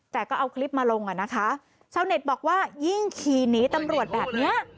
แต่ก็เอาคลิปมาลงอ่ะนะคะชาวเน็ตบอกว่ายิ่งขี่หนีตำรวจแบบเนี้ย